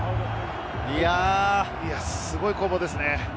すごい攻防ですね。